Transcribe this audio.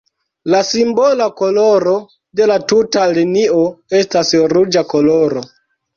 La simbola koloro de la tuta linio estas ruĝa koloro.